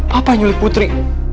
papa nyulik putri